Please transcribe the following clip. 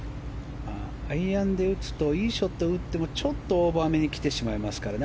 アイアンで打つといいショットを打ってもちょっとオーバーめに来てしまいますからね。